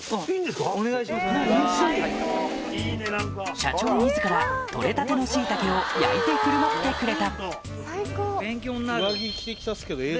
社長自ら採れたての椎茸を焼いて振る舞ってくれた大丈夫。